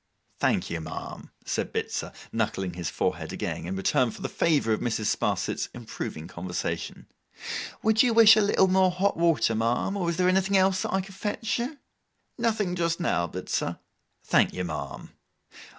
'Thank you, ma'am,' said Bitzer, knuckling his forehead again, in return for the favour of Mrs. Sparsit's improving conversation. 'Would you wish a little more hot water, ma'am, or is there anything else that I could fetch you?' 'Nothing just now, Bitzer.' 'Thank you, ma'am.